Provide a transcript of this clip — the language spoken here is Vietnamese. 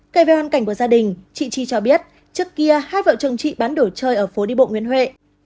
cây về hoàn cảnh của gia đình chị chi cho biết trước kia hai vợ chồng chị bán đồ chơi ở phố đi bộ nguyễn huệ